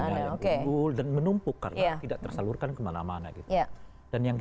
ada yang unggul dan menumpuk karena tidak tersalurkan kemana mana gitu